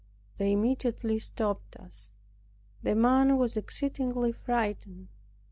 They immediately stopped us! The man was exceedingly frightened.